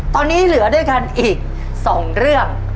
ตอนนี้เหลือด้วยกันอีก๒เรื่อง